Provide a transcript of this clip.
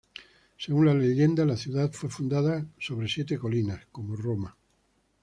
Según la leyenda, la ciudad fue fundada sobre siete colinas como Roma.